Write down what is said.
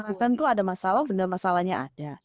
bukan itu ada masalah benar masalahnya ada